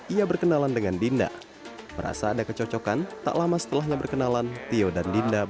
ia berkenalan dengan dinda merasa ada kecocokan tak lama setelahnya berkenalan tio dan dinda